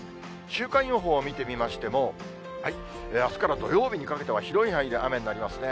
週間予報を見てみましても、あすから土曜日にかけては広い範囲で雨になりますね。